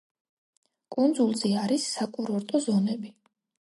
კუნძულზე არის საკურორტო ზონები.